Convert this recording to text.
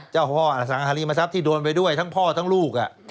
เจ้าพ่ออสังหาริมทรัพย์ที่โดนไปด้วยทั้งพ่อทั้งลูก